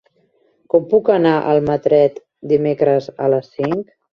Com puc anar a Almatret dimecres a les cinc?